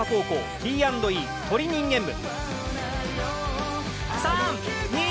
Ｔ＆Ｅ鳥人間部。